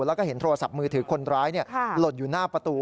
แล้วก็เห็นโทรศัพท์มือถือคนร้ายหล่นอยู่หน้าประตู